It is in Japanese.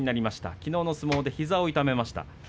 きのうの相撲で膝を痛めました。